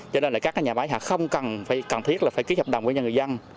cho nên là các nhà máy họ không cần cần thiết là phải ký hợp đồng với nhà người dân